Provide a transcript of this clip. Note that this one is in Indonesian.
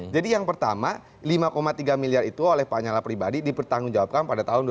jadi yang pertama lima tiga miliar itu oleh pak nyala pribadi dipertanggungjawabkan pada tahun dua ribu dua belas